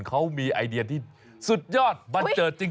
เขามีไอเดียที่สุดยอดบันเจิดจริง